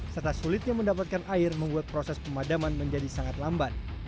serta sulitnya mendapatkan air membuat proses pemadaman menjadi sangat lamban